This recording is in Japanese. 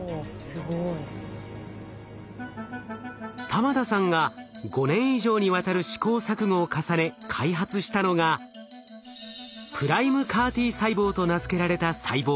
玉田さんが５年以上にわたる試行錯誤を重ね開発したのがＰＲＩＭＥＣＡＲ−Ｔ細胞と名付けられた細胞。